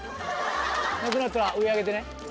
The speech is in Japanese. なくなったら上上げてね。